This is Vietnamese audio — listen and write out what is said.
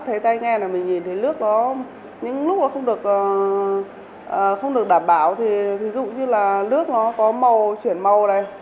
cái tay nghe là mình nhìn thấy nước nó những lúc nó không được đảm bảo thì ví dụ như là nước nó có màu chuyển màu này